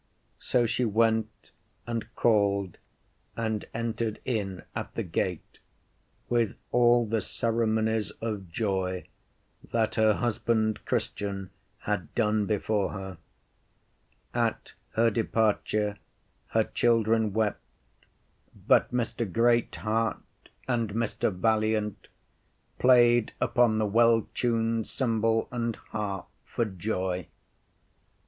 So she went and called and entered in at the gate with all the ceremonies of joy that her husband Christian had done before her. At her departure her children wept, but Mr. Great heart and Mr. Valiant played upon the well tuned cymbal and harp for joy.